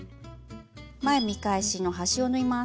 前見返しの端を縫います。